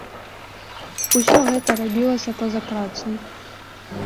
Усё гэта рабілася па-за працай.